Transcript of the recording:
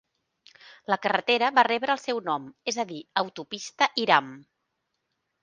La carretera va rebre el seu nom, és a dir, "Autopista Hiram".